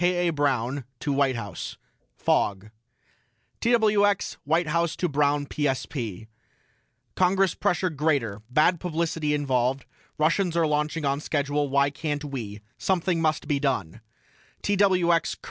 K. A. BROWN TO WHITE HOUSE: FOG TWX WHITE HOUSE TO BROWN PSP: CONGRESS PRESSURE GREATER BAD PUBLICITY INVOLVED RUSSIANS ARE LAUNCHING ON SCHEDULE WHY CAN'T WE SOMETHING MUST BE DONE TWX COL.